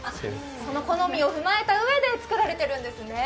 その好みを踏まえたうえで作られているんですね。